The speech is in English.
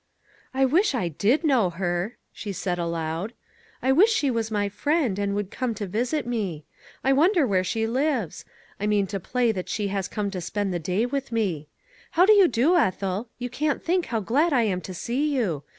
" I wish I did know her," she said, aloud. " I wish she was my friend, and would come to visit me. I wonder where she lives? I mean to play that she has come to spend the day with me. ' How do you do, Ethel ? You can't think how glad I am to see you.